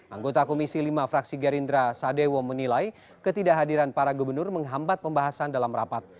anggota komisi lima fraksi gerindra sadewo menilai ketidakhadiran para gubernur menghambat pembahasan dalam rapat